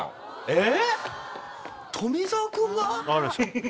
えっ富澤君が？